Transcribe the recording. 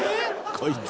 ［こいつ］